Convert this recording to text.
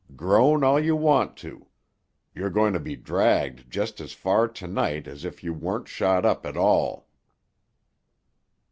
Groan all you want to. You're going to be dragged just as far to night as if you weren't shot up at all."